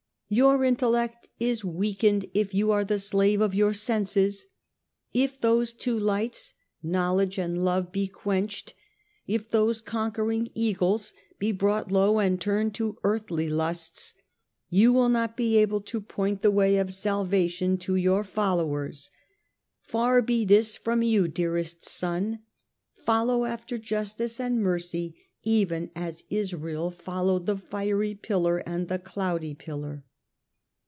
Your intellect is weakened if you are the slave of your senses. If those two lights, knowledge and love, be quenched, if those conquering eagles be brought low and turned to earthly lusts, you will not be able to point the way of salvation to your followers. Far be this from you, dearest son ! Follow after justice and mercy, even as Israel followed the fiery pillar and the cloudy pillar."